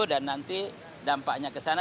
dan nanti dampaknya ke sana